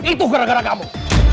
itu gara gara kamu